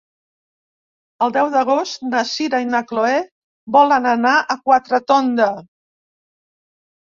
El deu d'agost na Sira i na Chloé volen anar a Quatretonda.